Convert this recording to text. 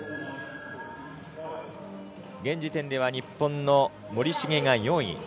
現時点では日本の森重が４位。